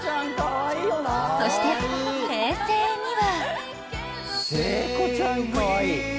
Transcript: そして、平成には。